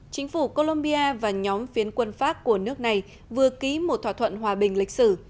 chính phủ colombia và nhóm phiến quân pháp của nước này vừa ký một thỏa thuận hòa bình lịch sử